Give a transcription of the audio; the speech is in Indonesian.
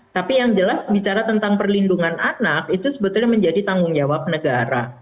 tapi yang jelas bicara tentang perlindungan anak itu sebetulnya menjadi tanggung jawab negara